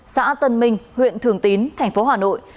xã tân minh huyện thường tín tp hà nội